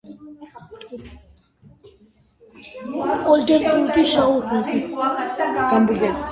პეტერბურგის უნივერსიტეტიდან იგი მიავლინეს საზღვარგარეთის არქივებში რუსული ხელნაწერების შესასწავლად.